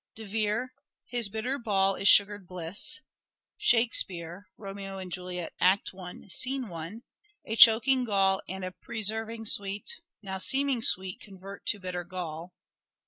De Vere :" His bitter ball is sugared bliss." Shakespeare (" Romeo and Juliet," I. i) :" A choking gall and a preserving sweet Now seeming sweet convert to bitter gall."